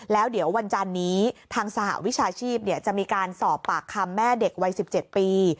แล้วเดี๋ยววันจันนี้ทางสหวิชาชีพจะมีการสอบปากคำแม่เด็กวัย๑๗ปี